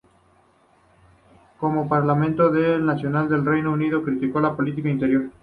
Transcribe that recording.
Como parlamentario apoyó el Gobierno Nacional del Reino Unido pero criticó su política exterior.